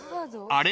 ［あれ？